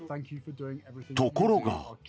ところが。